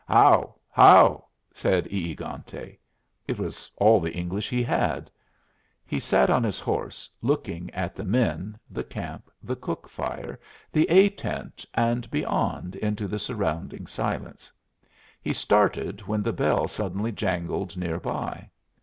"How! how!" said E egante. It was all the English he had. He sat on his horse, looking at the men, the camp, the cook fire, the A tent, and beyond into the surrounding silence. He started when the bell suddenly jangled near by.